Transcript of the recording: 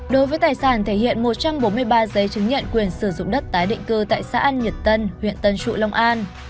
đối với tài sản thể hiện một trăm bốn mươi ba giấy chứng nhận quyền sử dụng đất tái định cư tại xã an nhật tân huyện tân trụ long an